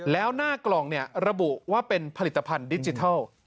แล้วหน้ากล่องระบุว่าเป็นผลิตภัณฑ์ดิจิทัล